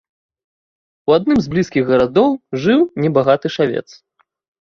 У адным з блізкіх гарадоў жыў небагаты шавец.